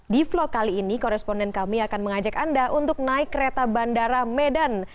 di vlog kali ini koresponden kami akan mengajak anda untuk naik kereta bandara medan